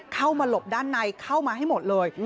เข้ามาหลบด้านในเข้ามาให้หมดเลย